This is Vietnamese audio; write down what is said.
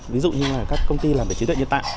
ví dụ như là các công ty làm về chế đội nhân tạng